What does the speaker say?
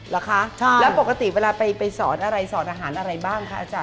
เหรอคะแล้วปกติเวลาไปสอนอะไรสอนอาหารอะไรบ้างคะอาจาร